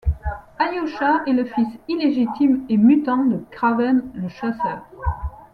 Alyosha est le fils illégitime et mutant de Kraven le chasseur.